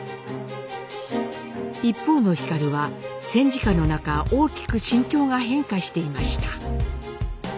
一方の皓は戦時下の中大きく心境が変化していました。